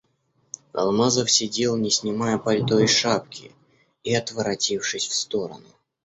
Алмазов сидел, не снимая пальто и шапки и отворотившись в сторону...